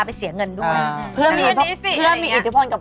สวัสดีครับ